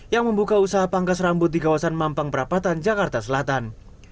yang membuka usaha pangkas rambut di kawasan mampang perapatan jakarta selatan